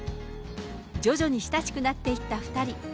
徐々に親しくなっていった２人。